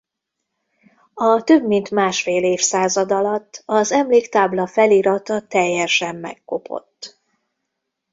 A több mint másfél évszázad alatt az emléktábla felirata teljesen megkopott.